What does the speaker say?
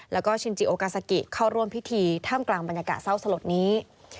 แล้วก็ชินจิโอกาซากิเข้าร่วมพิธีท่ามกลางบรรยากาศเศร้าสลดนี้